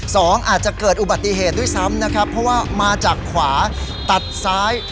สองอาจจะเกิดอุบัติเหตุด้วยซ้ำนะครับเพราะว่ามาจากขวาตัดซ้าย